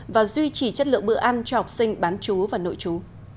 và duy trì chất lượng bữa ăn cho học sinh bán chú và nội chú